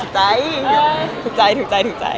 ถูกใจมั้ยไปเฟิร์นให้